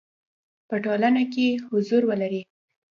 په ټولنه کې حضور ولري.